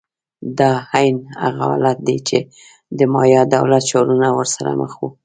دا عین هغه حالت دی چې د مایا دولت ښارونه ورسره مخ وو.